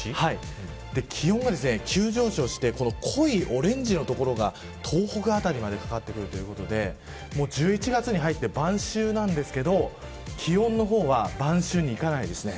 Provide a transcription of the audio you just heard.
気温が急上昇して濃いオレンジの所が東北辺りまでかかってくるというところで１１月に入って晩秋なんですけど気温の方は晩秋にいかないですね。